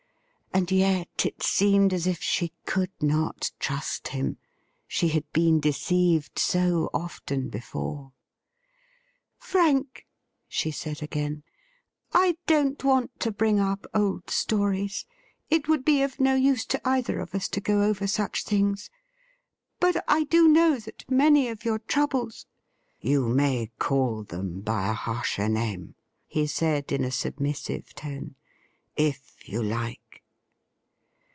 And yet it seemed as if she could not trust him. She had been deceived so often before. ' Frank,' she said again, ' I don't want to bring up old stories ; it would be of no use to either of us to go over such things. But I do know that many of your troubles '' You may call them by a harsher name,' he said in a submissive tone, ' if you like.'